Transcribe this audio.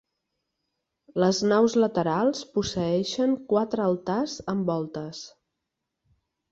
Les naus laterals posseeixen quatre altars amb voltes.